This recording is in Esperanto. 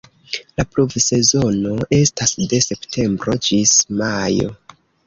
La pluvsezono estas de septembro ĝis majo.